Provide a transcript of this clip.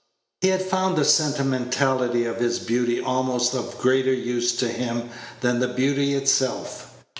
He had found the sentimentality of his beauty almost of greater use to him than the beauty itself.